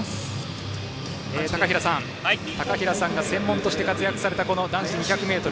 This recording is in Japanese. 高平さんが専門として活躍されたこの男子２００ｍ。